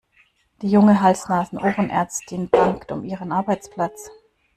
Die junge Hals-Nasen-Ohren-Ärztin bangt um ihren Arbeitsplatz.